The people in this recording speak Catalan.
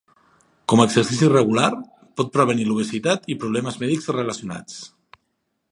Com a exercici regular, pot prevenir l'obesitat i problemes mèdics relacionats.